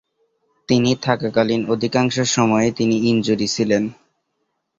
তিনি থাকাকালীন অধিকাংশ সময়েই তিনি ইনজুরি ছিলেন।